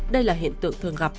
đây là hiện tượng thường gặp